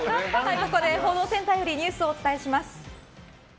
ここで報道センターよりニュースをお伝えします。